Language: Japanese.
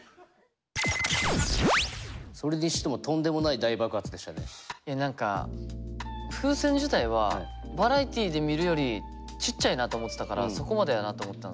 それにしてもいや何か風船自体はバラエティで見るよりちっちゃいなと思ってたからそこまでやなと思ってたんですけど。